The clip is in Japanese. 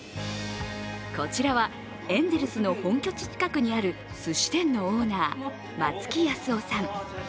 こちらはエンゼルスの本拠地近くにあるすし店のオーナー、松木保雄さん。